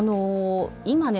今ね